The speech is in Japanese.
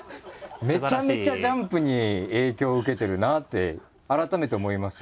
めちゃめちゃ「ジャンプ」に影響を受けてるなって改めて思いますよね。